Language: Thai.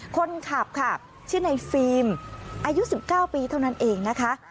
คนขับค่ะชื่อในฟิล์มอายุ๑๙ปีเท่านั้นเองนะคะ